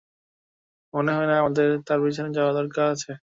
মনে হয় না আমাদের তার পিছনে যাওয়ার দরকার আছে।